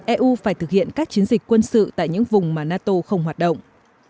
eu phải thực hiện các chiến dịch quân sự tại những vùng mà nato không hoạt động